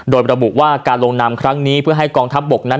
โดยระบุว่าการลงนำครั้งนี้เพื่อให้กองทัพบกนั้น